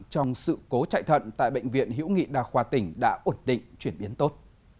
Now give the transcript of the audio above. trong sự cố chạy thận tại bệnh viện hữu nghị đa khoa tỉnh đã ổn định chuyển biến tốt